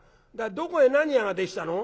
どこへ何屋ができたの？」。